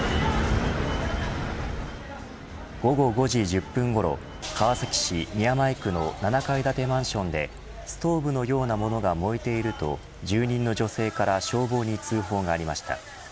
午後５時１０分ごろ川崎市宮前区の７階建てマンションでストーブのようなものが燃えていると住人の女性から消防に通報がありました。